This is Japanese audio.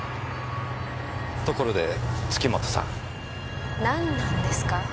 ところで月本さん。何なんですか？